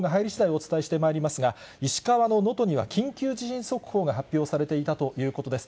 お伝えしてまいりますが、石川の能登には緊急地震速報が発表されていたということです。